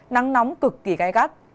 nắng nóng cực kỳ gai gắt